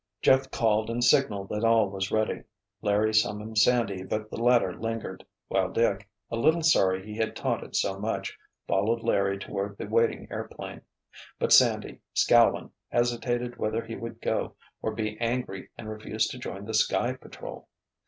Jeff called and signaled that all was ready. Larry summoned Sandy but the latter lingered, while Dick, a little sorry he had taunted so much, followed Larry toward the waiting airplane. But Sandy, scowling, hesitated whether he would go or be angry and refuse to join the Sky Patrol.